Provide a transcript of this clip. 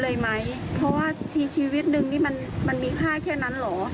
แล้วจะเป็นพันสองพันหนี้เขาบอกว่ายกหนี้ให้มันใช่เหรอ